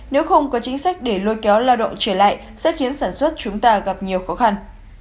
nếu không có chính sách để lôi kéo lao động trở lại sẽ khiến sản xuất chúng ta gặp nhiều khó khăn